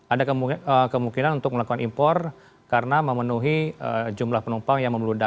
ada kemungkinan untuk melakukan impor karena memenuhi jumlah penumpang yang membeludak